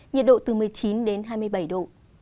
nhiệt độ từ một mươi chín đến hai mươi bảy độ